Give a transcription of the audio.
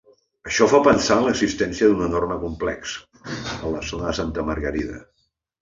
Això fa pensar en l'existència d'un enorme complex, a la zona de Santa Margarida.